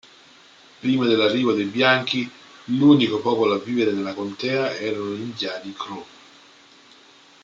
Prima dell'arrivo dei bianchi l'unico popolo a vivere nella contea erano gli indiani Crow.